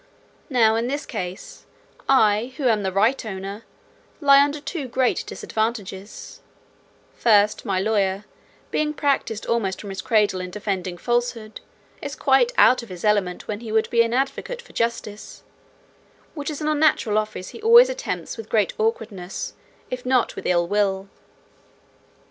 Now, in this case, I, who am the right owner, lie under two great disadvantages: first, my lawyer, being practised almost from his cradle in defending falsehood, is quite out of his element when he would be an advocate for justice, which is an unnatural office he always attempts with great awkwardness, if not with ill will.